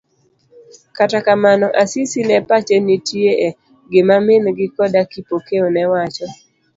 Kata kamano, Asisi ne pache nitie e gima min gi koda Kipokeo newacho.